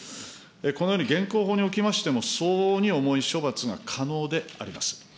このように現行法におきましても、相応に重い処罰が可能であります。